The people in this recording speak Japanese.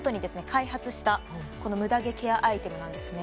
開発したこのムダ毛ケアアイテムなんですね